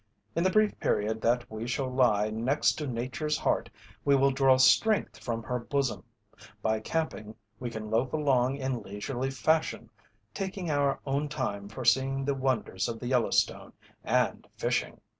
In the brief period that we shall lie next to nature's heart we will draw strength from her bosom. By camping, we can loaf along in leisurely fashion, taking our own time for seeing the wonders of the Yellowstone, and fishing."